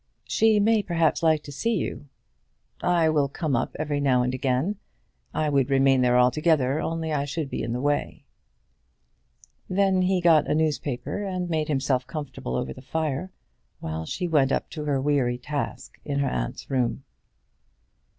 "She may perhaps like to see you." "I will come up every now and again. I would remain there altogether, only I should be in the way." Then he got a newspaper and made himself comfortable over the fire, while she went up to her weary task in her aunt's room.